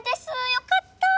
よかった。